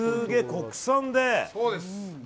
国産で。